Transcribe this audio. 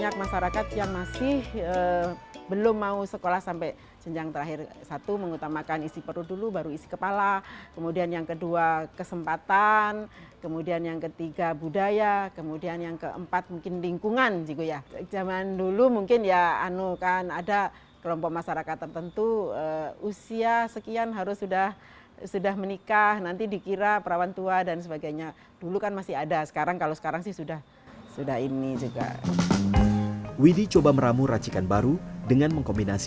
kenapa banyak masyarakat yang masih belum mau sekolah sampai kelas